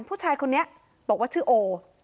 ผู้ชายคนนี้บอกว่าชื่อโอ